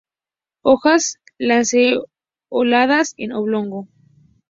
Hojas lanceoladas a oblongo.